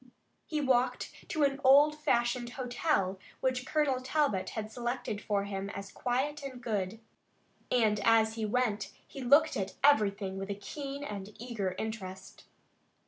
He walked to an old fashioned hotel which Colonel Talbot had selected for him as quiet and good, and as he went he looked at everything with a keen and eager interest.